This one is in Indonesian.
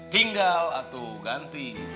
tinggal atau ganti